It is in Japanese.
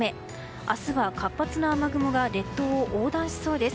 明日は活発な雨雲が列島を横断しそうです。